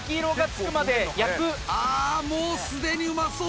あー、もうすでにうまそう。